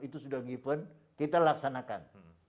itu sudah given kita laksanakan